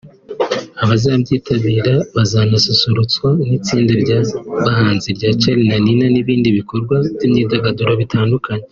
Abazabyitabira bazanasusurutswa n’itsinda ry’abahanzi rya Charly na Nina n’ibindi bikorwa by’imyidagaduro bitandukanye